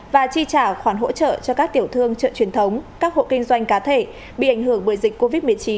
và chi trả khoản hỗ trợ cho các tiểu thương chợ truyền thống các hộ kinh doanh cá thể bị ảnh hưởng bởi dịch covid một mươi chín